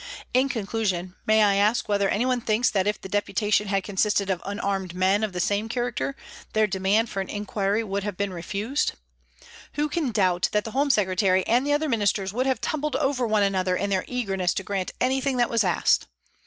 " In conclusion, may I ask whether anyone thinks that if the Deputation had consisted of unarmed men of the same character, their demand for an inquiry would have been refused ? Who can doubt that the Home Secretary and the other Ministers would have tumbled over one another in their eagerness to grant anything that was asked